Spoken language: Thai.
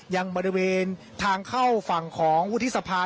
ยังบริเวณทางเข้าฝั่งของวุฒิสภา